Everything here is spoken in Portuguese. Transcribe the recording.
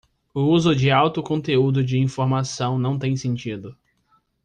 O uso de alto conteúdo de informação não tem sentido.